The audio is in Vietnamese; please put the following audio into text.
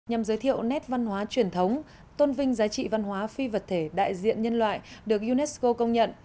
nhằm giới thiệu nét văn hóa truyền thống tôn vinh giá trị văn hóa phi vật thể đại diện nhân loại được unesco công nhận